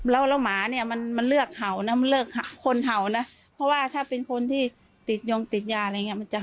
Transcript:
แล้วหมาเนี่ยมันเลือกเห่านะมันเลือกคนเห่านะเพราะว่าถ้าเป็นคนที่ติดยงติดยาอะไรอย่างเงี้มันจะ